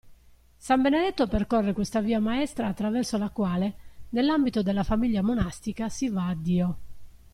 San Benedetto percorre questa via maestra attraverso la quale, nell'ambito della famiglia monastica, si va a Dio.